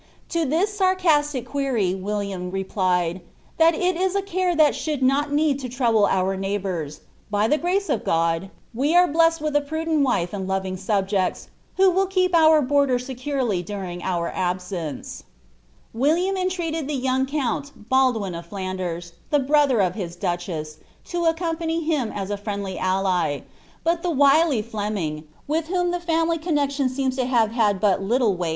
To this sarcastic query, William replied, ^ That is a care that shall not need to trouble our neighbours ; by the gnce of God we are blessed with a prudent wife and loving subjects, who will keep our border securely during our absence."' William entreated the young count Baldwin of Flanders, the brother of his duchess, to accompany him as a friendly ally; but the wily Fleming, with whom the fiunily connexion seems to have had but little ^ Wace'9 Chronicle of Normandy. *Ibid.